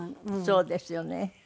そうですよね。